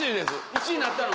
１位になったの？